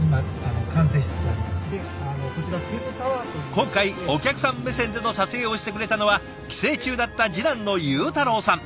今回お客さん目線での撮影をしてくれたのは帰省中だった次男の裕太郎さん。